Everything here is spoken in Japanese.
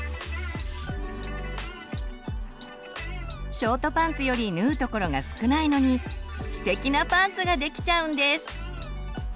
ショートパンツより縫うところが少ないのにステキなパンツができちゃうんです！